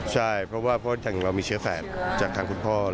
ใช่เพราะว่าเพราะอย่างเรามีเชื้อแฝดจากทางคุณพ่อ